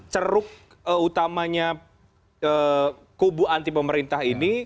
ceruk utamanya kubu anti pemerintah ini